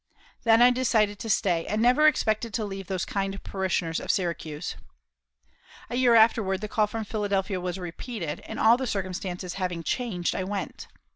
Then I decided to stay, and never expected to leave those kind parishioners of Syracuse. A year afterward the call from Philadelphia was repeated, and all the circumstances having changed, I went.